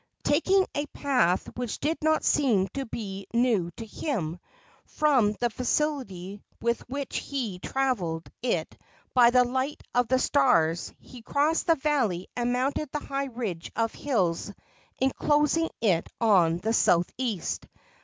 Taking a path which did not seem to be new to him, from the facility with which he traveled it by the light of the stars, he crossed the valley and mounted the high ridge of hills enclosing it on the southeast.